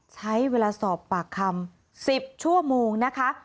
ใช้เวลาสอบปากคำ๑๐ชั่วโมงนะคะ